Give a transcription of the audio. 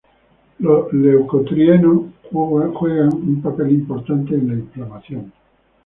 Los leucotrienos juegan un papel importante en la inflamación.